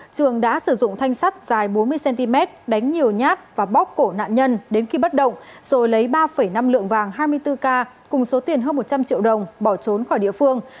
trường đã sử dụng thanh sắt dài bốn mươi cm đánh nhiều nhát và bóc cổ nạn nhân đến khi bắt đầu rồi lấy ba năm lượng vàng hai mươi bốn k cùng số tiền hơn một trăm linh triệu đồng bỏ trốn khỏi địa phương